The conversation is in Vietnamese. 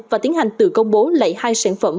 và tiến hành tự công bố lại hai sản phẩm